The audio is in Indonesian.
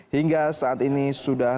hingga saat ini sudah